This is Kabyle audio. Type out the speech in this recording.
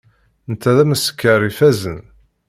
Netta d ameskar ifazen.